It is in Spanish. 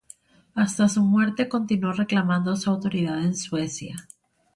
Hasta su muerte, continuó reclamando su autoridad en Suecia.